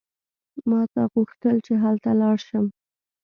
ما ته غوښتل چې هلته لاړ شم.